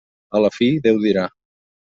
A la fi Déu dirà.